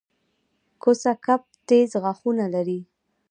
کوسه کب تېز غاښونه لري